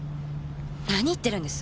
何言ってるんです？